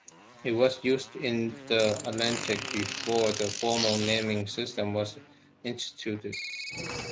It was used in the Atlantic before the formal naming system was instituted.